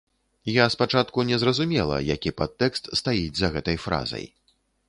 Я спачатку не зразумела, які падтэкст стаіць за гэтай фразай.